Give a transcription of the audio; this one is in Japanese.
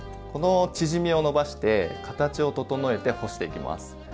この縮みを伸ばして形を整えて干していきます。